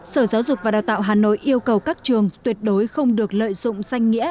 sở giáo dục và đào tạo hà nội yêu cầu các trường tuyệt đối không được lợi dụng danh nghĩa